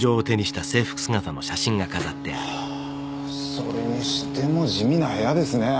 それにしても地味な部屋ですね